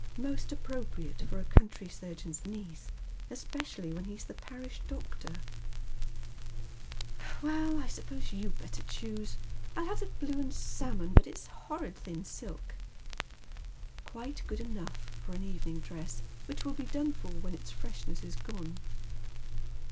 Most appropriate for a country sm geon's niece, especially when he's the parish doctor," " Well, I suppose you'd better choose. I'll have the blue and Balmon, but it's a horrid thin silk." " Quite good enough for an evening drese, which will be done for when its freshness is gone."